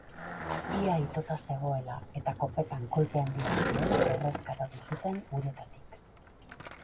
Ia itota zegoela eta kopetan kolpe handia zuela erreskatatu zuten uretatik.